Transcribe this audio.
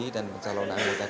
dan pencalonan anggota dpd